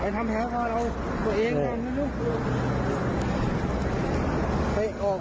ให้ทำแผลก่อนเอาตัวเองล่ะนึกนึก